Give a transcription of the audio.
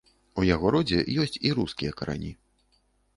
У яго ў родзе ёсць і рускія карані.